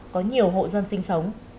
có nhiều hộ dân sinh sống